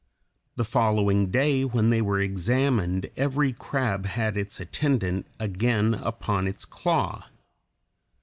The following day when they were examined every crab had its attendant again upon its claw.